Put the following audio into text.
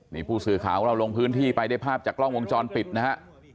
นี่ผู้สื่อข่าวของเราลงพื้นที่ไปได้ภาพจากกล้องวงจรปิดนะฮะ